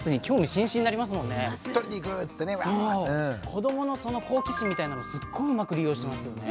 子どものその好奇心みたいなのもすっごいうまく利用してますよね。